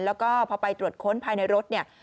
แล้วก็พอไปตรวจค้นภายในรถ